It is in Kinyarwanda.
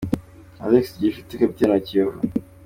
Alex Ngirinshuti kapiteni wa Kiyovu Sports.